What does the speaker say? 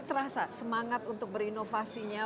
terasa semangat untuk berinovasinya